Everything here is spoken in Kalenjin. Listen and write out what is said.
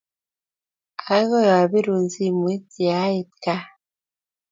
Akoi apirun simoit ye ait kaa.